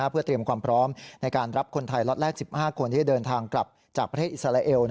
เพื่อเตรียมความพร้อมในการรับคนไทยล็อตแรก๑๕คนที่จะเดินทางกลับจากประเทศอิสราเอล